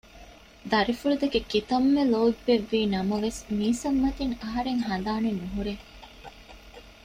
ދަރިފުޅު ދެކެ ކިތަންމެ ލޯތްބެއްވީ ނަމަވެސް މީސަމް މަތިން އަހަރެން ހަނދާނެއް ނުހުރޭ